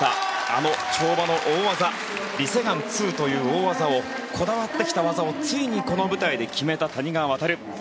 あの跳馬の大技リ・セグァン２という大技をこだわってきた技をついにこの舞台で決めた谷川航。